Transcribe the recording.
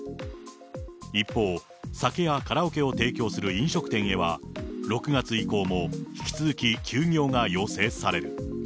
一方、酒やカラオケを提供する飲食店へは６月以降も引き続き休業が要請される。